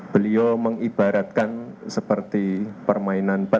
beliau mengibaratkan seperti permainan